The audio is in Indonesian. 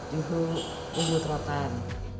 juhu umbut rotan